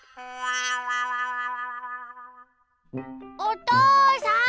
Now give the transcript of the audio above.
おとうさん！